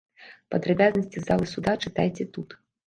Падрабязнасці з залы суда чытайце тут.